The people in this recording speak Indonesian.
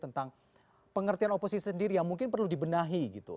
tentang pengertian oposisi sendiri yang mungkin perlu dibenahi gitu